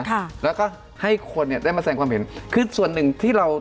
ว่าสาธารณะเลยนะค่ะแล้วก็ให้คนเนี่ยได้มาแสงความเห็นคือส่วนหนึ่งที่เรา